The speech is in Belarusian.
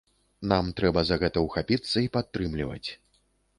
Нам трэба за гэта ўхапіцца і падтрымліваць.